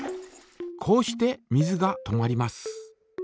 こうして水が止まります。